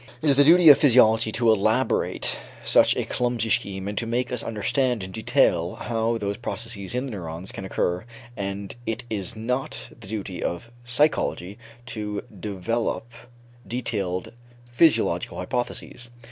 It is the duty of physiology to elaborate such a clumsy scheme and to make us understand in detail how those processes in the neurons can occur and it is not the duty of psychology to develop detailed physiological hypotheses.